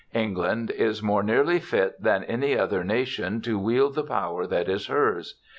England is more nearly fit than any other nation to wield the power that is hers.